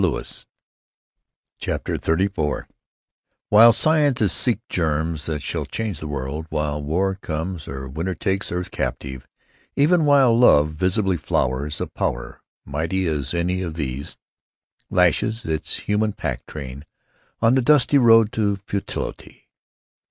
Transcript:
CHAPTER XXXIV hile scientists seek germs that shall change the world, while war comes or winter takes earth captive, even while love visibly flowers, a power, mighty as any of these, lashes its human pack train on the dusty road to futility.